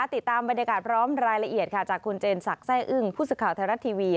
ติดตามบรรยากาศพร้อมรายละเอียดค่ะจากคุณเจนสักแร่อึ้งผู้สื่อข่าวไทยรัฐทีวี